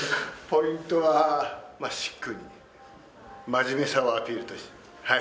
ポイントはシックに、真面目さをアピールして。